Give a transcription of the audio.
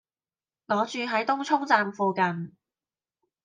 我住喺東涌站附近